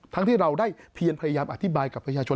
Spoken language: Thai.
ทั้งที่เราได้เพียงพยายามอธิบายกับพระเจ้าชน